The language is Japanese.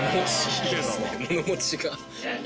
物持ちが。